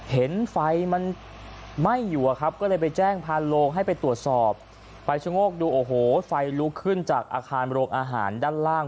เห็นไฟมันไหม้อยู่อะครับก็เลยไปแจ้งพาโรงให้ไปตรวจสอบไปชะโงกดูโอ้โหไฟลุกขึ้นจากอาคารโรงอาหารด้านล่าง